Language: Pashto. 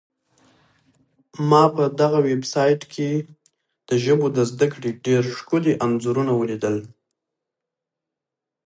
ما په دغه ویبسایټ کي د ژبو د زده کړې ډېر ښکلي انځورونه ولیدل.